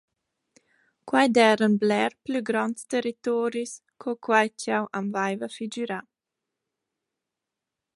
Quai d’eiran bler plü gronds territoris co quai ch’eu am vaiva figürà.